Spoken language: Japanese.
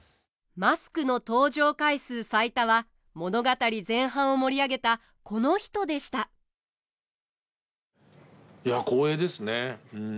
マスクの登場回数最多は物語前半を盛り上げたこの人でしたいや光栄ですねうん。